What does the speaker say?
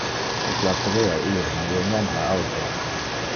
Me placerea ir, ma io non ha auto.